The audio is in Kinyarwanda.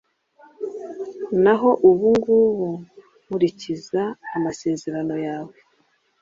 naho ubu ngubu nkurikiza amasezerano yawe